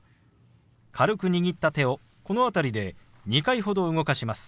軽く握った手をこの辺りで２回ほど動かします。